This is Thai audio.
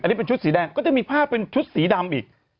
อันนี้เป็นชุดสีแดงก็จะมีภาพเป็นชุดสีดำอีก